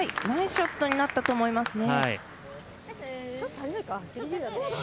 ナイスショットになったと思いますね。